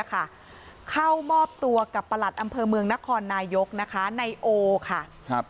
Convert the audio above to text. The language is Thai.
เข้ามอบตัวกับประหลัดอำเภอเมืองนครนายกนะคะนายโอค่ะ